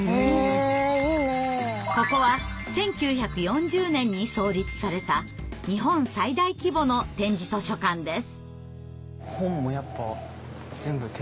ここは１９４０年に創立された日本最大規模の点字図書館です。